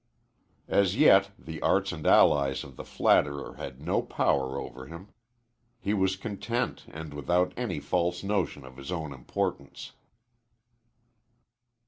As yet the arts and allies of the flatterer had no power over him. He was content and without any false notion of his own importance.